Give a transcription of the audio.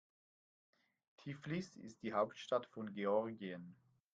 Tiflis ist die Hauptstadt von Georgien.